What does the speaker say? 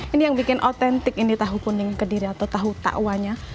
ini yang bikin otentik ini tahu pun dengan ke diri atau tahu ta wanya